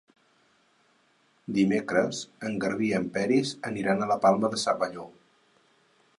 Dimecres en Garbí i en Peris aniran a la Palma de Cervelló.